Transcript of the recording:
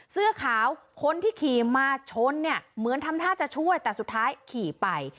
เสื้อขาวคนที่ขี่มาชนเนี่ยเหมือนทำท่าจะช่วยแต่สุดท้ายขี่ไป